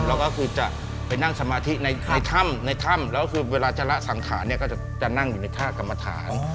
แล้วก็คือจะไปนั่งสมาธิในถ้ำในถ้ำแล้วคือเวลาจะละสังขารเนี่ยก็จะนั่งอยู่ในท่ากรรมฐาน